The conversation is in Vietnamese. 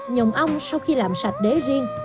nhồng ong sau khi làm sạch đế riêng